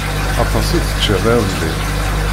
Aṭas i teččiḍ iḍelli.